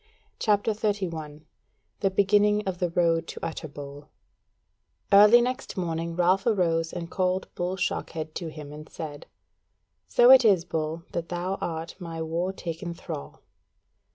CHAPTER 31 The Beginning of the Road To Utterbol Early next morning Ralph arose and called Bull Shockhead to him and said: "So it is, Bull, that thou art my war taken thrall."